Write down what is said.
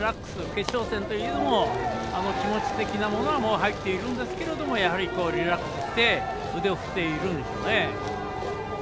決勝戦といえども気持ち的なものは入っていますがリラックスして腕を振っているんでしょうね。